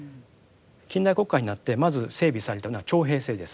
近代国家になってまず整備されたのは徴兵制です。